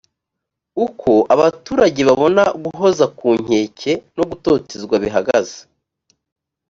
uko abaturage babona guhoza ku nkeke no gutotezwa bihagaze